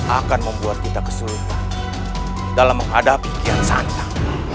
akan membuat kita kesulitan dalam menghadapi kian santai